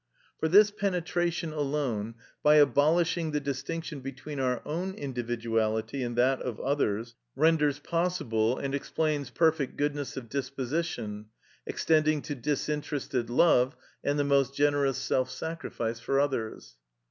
For this penetration alone, by abolishing the distinction between our own individuality and that of others, renders possible and explains perfect goodness of disposition, extending to disinterested love and the most generous self sacrifice for others.